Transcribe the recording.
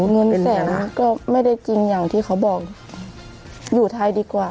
เงินแสนก็ไม่ได้จริงอย่างที่เขาบอกอยู่ไทยดีกว่า